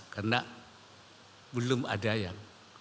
karena belum ada yang